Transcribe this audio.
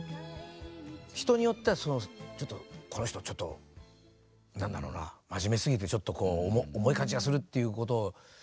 人によってはちょっとこの人ちょっと何だろうな真面目すぎてちょっとこう重い感じがするっていうことを。